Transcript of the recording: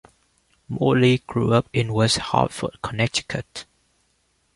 Morley grew up in West Hartford, Connecticut.